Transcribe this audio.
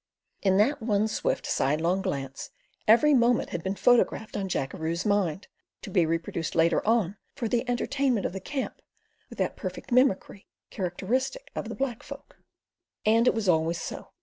In that one swift, sidelong glance every movement had been photographed on Jackeroo's mind, to be reproduced later on for the entertainment of the camp with that perfect mimicry characteristic of the black folk. And it was always so.